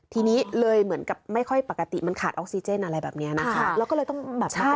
ทีนี้เลยเหมือนกับไม่ค่อยปกติแล้วมันขาดออกซิเจ้นอะไรแบบนี้นะคะ